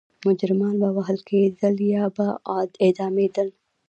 مجرمان به وهل کېدل یا به اعدامېدل.